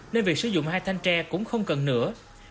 nên việc sử dụng hai thanh tre cũng không cần nữa